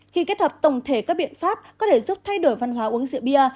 khi kết hợp tổng thể các biện pháp có thể giúp thay đổi văn hóa uống rượu bia